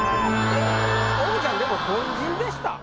おぐちゃんでも凡人でした。